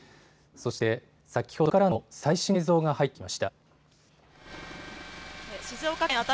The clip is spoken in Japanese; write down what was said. そして先ほど現場上空からの最新の映像が入ってきました。